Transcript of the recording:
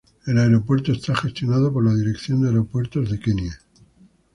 El aeropuerto está gestionado por la Dirección de Aeropuertos de Kenia.